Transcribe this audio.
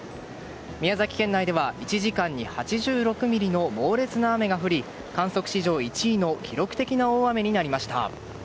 宮崎県内では１時間に８６ミリの猛烈な雨が降り観測史上１位の記録的な大雨になりました。